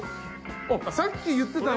さっき言ってたの。